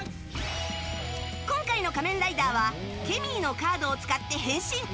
今回の仮面ライダーはケミーのカードを使って変身！